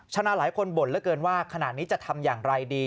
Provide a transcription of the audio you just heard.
ชนะหลายคนบ่นเหลือเกินว่าขณะนี้จะทำอย่างไรดี